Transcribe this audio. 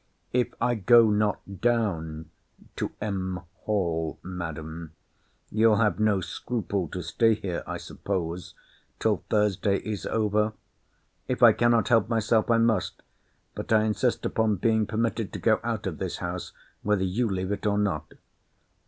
If I go not down to Mr. Hall, Madam, you'll have no scruple to stay here, I suppose, till Thursday is over? If I cannot help myself I must—but I insist upon being permitted to go out of this house, whether you leave it or not.